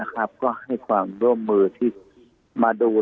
ก็ให้ความร่วมมือที่มาดู